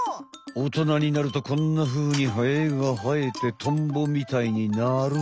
おとなになるとこんなふうにはねがはえてトンボみたいになる。